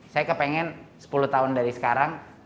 saya kepengen sepuluh tahun dari sekarang